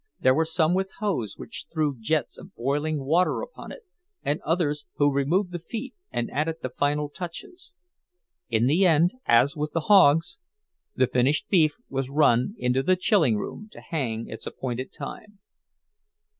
There were some with hose which threw jets of boiling water upon it, and others who removed the feet and added the final touches. In the end, as with the hogs, the finished beef was run into the chilling room, to hang its appointed time.